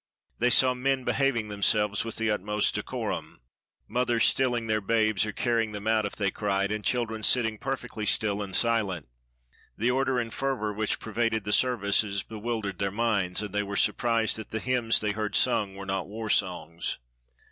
They saw men behaving themselves with the utmost decorum, — mothers stilling their babes, or carrying them out if they cried, and chil dren sitting perfectly still and silent. The order and fer vor which pervaded the services bewildered their minds, and they were surprised that the hymns they heard sung were not war songs.